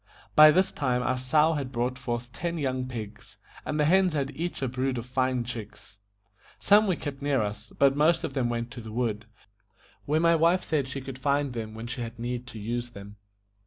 By this time our sow had brought forth ten young pigs, and the hens had each a brood of fine chicks. Some we kept near us, but most of them went to the wood, where my wife said she could find them when she had need to use them.